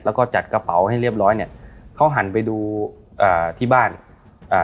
แล้วก็จัดกระเป๋าให้เรียบร้อยเนี้ยเขาหันไปดูอ่าที่บ้านอ่า